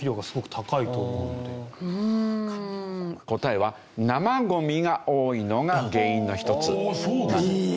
答えは生ゴミが多いのが原因の一つ。